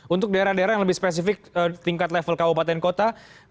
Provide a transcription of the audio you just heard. untuk daerah daerah yang lebih spesifik tingkat level kabupaten kota